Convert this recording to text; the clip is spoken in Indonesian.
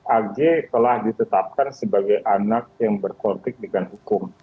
ag telah ditetapkan sebagai anak yang berkontrik dengan hukum